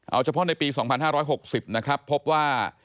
เอาเฉพาะในปี๒๕๖๐นะครับพบว่า